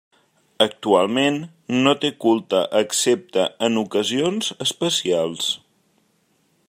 Actualment no té culte excepte en ocasions especials.